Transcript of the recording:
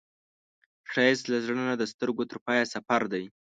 ښایست له زړه نه د سترګو تر پایه سفر دی